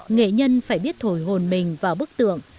nghệ nhân phải biết thổi hồn mình vào bức tượng